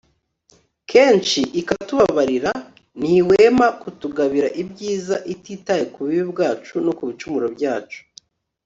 kenshi ikatubabarira. ntihwema kutugabira ibyiza ititaye ku bubi bwacu no ku bicumuro byacu